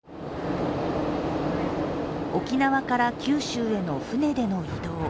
沖縄から九州への船での移動。